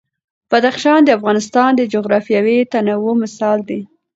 بدخشان د افغانستان د جغرافیوي تنوع مثال دی.